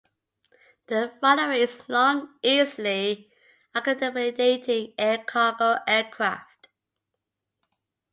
The runway is long, easily accommodating air cargo aircraft.